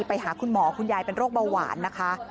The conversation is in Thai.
ไปหาคุณหมอคุณยายเป็นโรคเบาหวานนะคะ